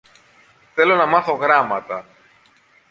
Θέλω να μάθω γράμματα.